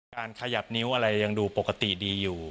ขยับนิ้วอะไรยังดูปกติดีอยู่